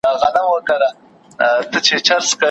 چي تر منځ به مو طلاوي وای وېشلي